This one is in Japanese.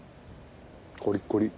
コリコリ。